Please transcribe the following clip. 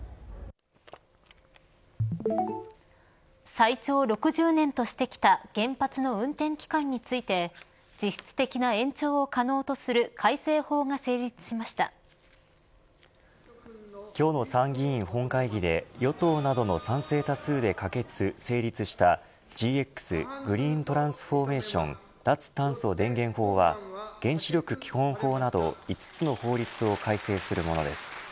最長６０年としてきた原発の運転期間について実質的な延長を可能とする改正法が今日の参議院本会議で与党などの賛成多数で可決成立したＧＸグリーン・トランスフォーメーション脱炭素電源法は原子力基本法など５つの法律を改正するものです。